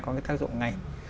có cái tác dụng ngay